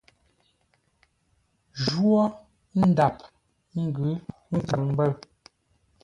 Jwó ndap ə́ ngʉ́ nkaŋ-mbə̂ʉ.